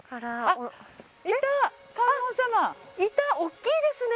おっきいですね。